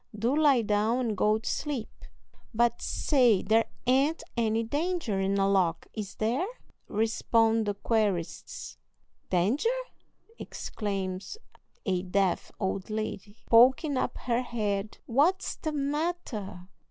Do lie down and go to sleep." "But say, there ain't any danger in a lock, is there?" respond the querists. "Danger!" exclaims a deaf old lady, poking up her head. "What's the matter?